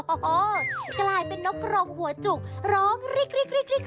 กลายเป็นนกรงหัวจุกร้องริกริกริก